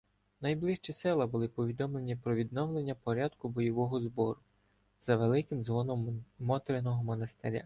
Найближчі села були повідомлені про відновлення порядку бойового збору за великим дзвоном Мотриного монастиря.